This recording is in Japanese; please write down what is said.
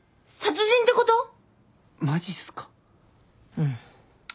うん。